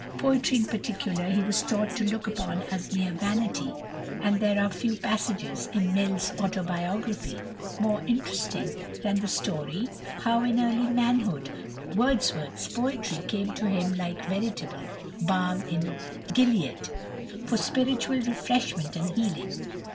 Poetry in particular he was taught to look upon as mere vanity, and there are few passages in Mill's "Autobiography" more interesting than the story how in early manhood Wordsworth's poetry came to him like veritable "balm in Gilead," for spiritual refreshment and healing.